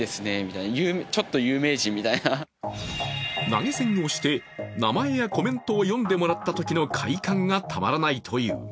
投げ銭をして名前やコメントを読んでもらったときの快感がたまらないという。